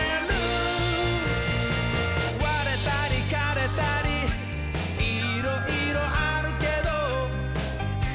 「われたりかれたりいろいろあるけど」